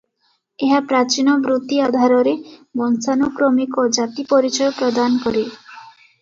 ଏହା ପ୍ରାଚୀନ ବୃତ୍ତି ଆଧାରରେ ବଂଶାନୁକ୍ରମିକ ଜାତି-ପରିଚୟ ପ୍ରଦାନ କରେ ।